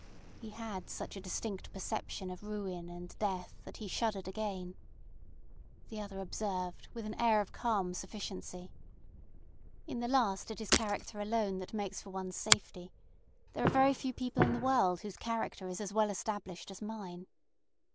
He had such a distinct perception of ruin and death that he shuddered again. The other observed, with an air of calm sufficiency: "In the last instance it is character alone that makes for one's safety. There are very few people in the world whose character is as well established as mine."